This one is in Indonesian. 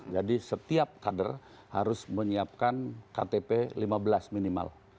jadi setiap kader harus menyiapkan ktp lima belas minimal